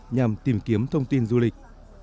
nhằm tìm kiếm thông tin du lịch